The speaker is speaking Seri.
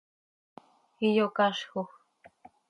iyocazjoj.